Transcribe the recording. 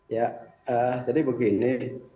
ya jadi begini